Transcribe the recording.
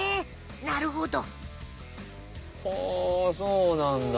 なるほど。